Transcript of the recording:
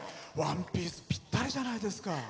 ワンピースぴったりじゃないですか。